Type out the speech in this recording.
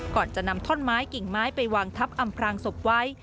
ก่อนจะนำท่อนไม้กิ่งไม้ไปวางทับอำพรางศพไว้